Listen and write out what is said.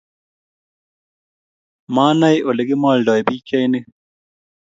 Manaae olegimoldoi pikchainik